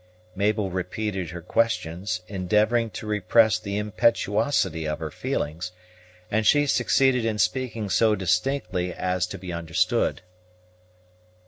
Mabel repeated her questions, endeavoring to repress the impetuosity of her feelings; and she succeeded in speaking so distinctly as to be understood.